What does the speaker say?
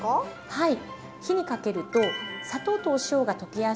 はい。